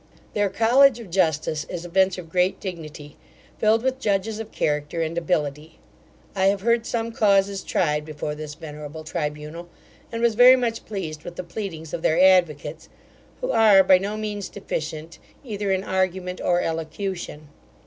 Their college of justice is a bench of great dignity, filled with judges of character and ability. I have heard some causes tried before this venerable tribunal; and was very much pleased with the pleadings of their advocates, who are by no means deficient either in argument or elocution.